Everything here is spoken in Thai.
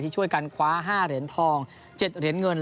ช่วยกันคว้า๕เหรียญทอง๗เหรียญเงิน